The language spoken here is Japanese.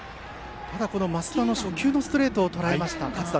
升田の初球のストレートをとらえた勝田。